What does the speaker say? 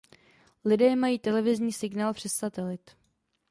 Lidé mají televizní signál přes satelit.